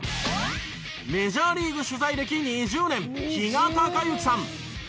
メジャーリーグ取材歴２０年比嘉孝之さん。